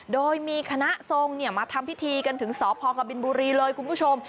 โดยมีคณะทรงมาทำพิธีกันถึงสพกบินบุรีเลยคุณผู้ชม